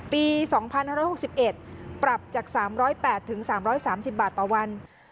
ปี๒๕๖๑ปรับจาก๓๐๘๓๓๐บาทต่อวัน